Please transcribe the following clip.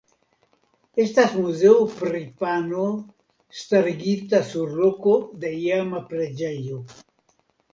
Estas Muzeo pri Pano starigita sur loko de iama preĝejo.